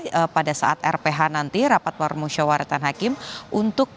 rapat warung syawaratan hakim nanti rapat warung syawaratan hakim nanti rapat warung syawaratan hakim nanti